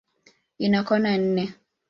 Ina kona nne.